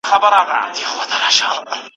څه به د «میني انتظار» له نامردانو کوو